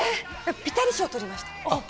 ピタリ賞取りました。